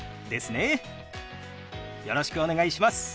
よろしくお願いします。